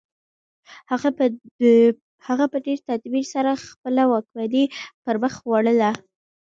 هغه په ډېر تدبیر سره خپله واکمني پرمخ وړله.